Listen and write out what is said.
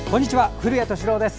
古谷敏郎です。